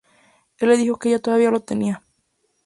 Él le dijo que ella todavía lo tenía.